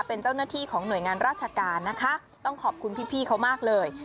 เป็นเจ้าหน้าที่ของหน่วยงานราชการนะคะต้องขอบคุณพี่เขามากเลย